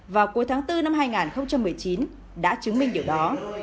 vào cuối tháng bốn năm hai nghìn một mươi chín đã chứng minh điều đó